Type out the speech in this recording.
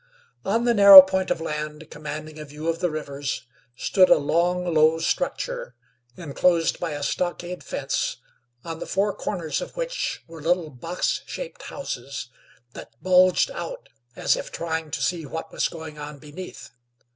On the narrow point of land commanding a view of the rivers stood a long, low structure enclosed by a stockade fence, on the four corners of which were little box shaped houses that bulged out as if trying to see what was going on beneath.